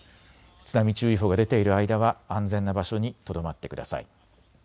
津波注意報が出ている間は安全な場所にとどまってください。